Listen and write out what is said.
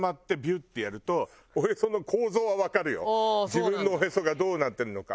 自分のおへそがどうなってるのか。